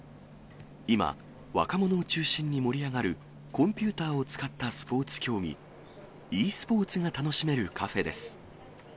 今、若者を中心に盛り上がるコンピューターを使ったスポーツ競技、ｅスポーツが楽しめるカフェです。